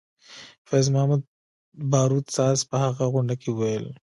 فیض محمدباروت ساز په هغه غونډه کې وویل.